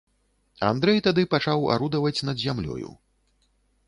Андрэй тады пачаў арудаваць над зямлёю.